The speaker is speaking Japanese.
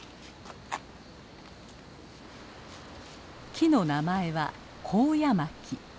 木の名前はコウヤマキ。